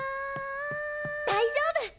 大丈夫！